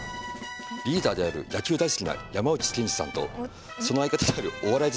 リーダーである野球大好きな山内健司さんとその相方であるお笑い